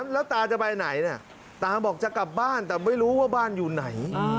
แล้วตาจะไปไหนเนี่ยตาบอกจะกลับบ้านแต่ไม่รู้ว่าบ้านอยู่ไหน